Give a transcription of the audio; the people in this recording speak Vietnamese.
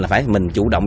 là phải mình chủ động